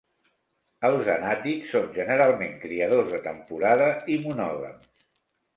Els anàtids són generalment criadors de temporada i monògams.